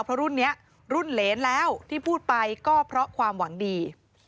เพราะรุ่นนี้รุ่นเหรนแล้วที่พูดไปก็เพราะความหวังดี